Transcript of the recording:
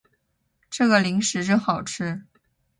这个零食真好吃